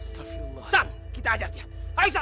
sani kita ajar dia